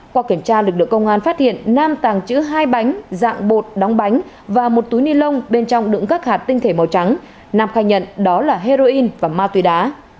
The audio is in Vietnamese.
qua kiểm tra lực lượng công an phát hiện nam tàng trữ hai bánh dạng bột đóng bánh và một túi ni lông bên trong đựng các hạt tinh thể màu trắng nam khai nhận đó là heroin và ma túy đá